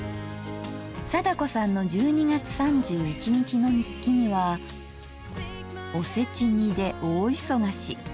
貞子さんの１２月３１日の日記には「おせち煮で大忙し」。